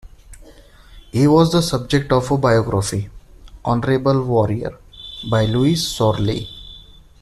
He was the subject of a biography, "Honorable Warrior", by Lewis Sorley.